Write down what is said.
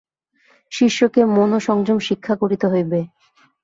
শিষ্যকে মনঃসংযম শিক্ষা করিতে হইবে।